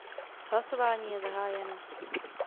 Hlasování je zahájeno.